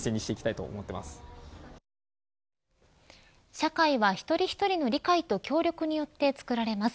社会は一人一人の理解と協力によってつくられます。